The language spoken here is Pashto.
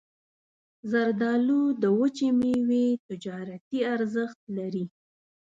زردالو د وچې میوې تجارتي ارزښت لري.